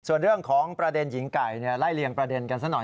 ส่วนเรื่องของประเด็นหญิงไก่ไล่เลี่ยงประเด็นกันซะหน่อย